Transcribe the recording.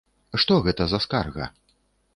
Што гэта за скарга?